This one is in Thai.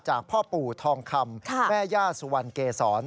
พ่อปู่ทองคำแม่ย่าสุวรรณเกษร